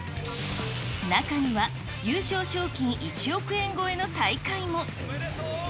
中には、優勝賞金１億円超えの大会も。